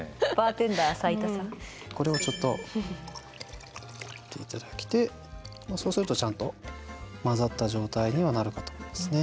これをちょっと入れて頂いてそうするとちゃんと混ざった状態にはなるかと思いますね。